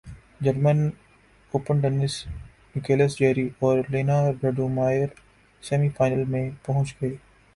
German Open tennis Nicolas Jarry اور Leonardo Mayer semifinal میں پہنچ گئے